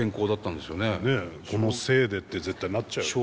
そのせいでって絶対なっちゃうよね。